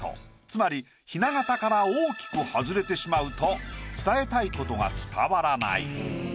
つまりひな型から大きく外れてしまうと伝えたいことが伝わらない。